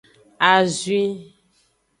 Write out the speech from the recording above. Azwi.